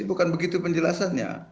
jadi bukan begitu penjelasannya